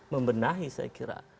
membenahi saya kira